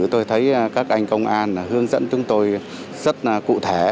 tôi thấy các anh công an hướng dẫn chúng tôi rất cụ thể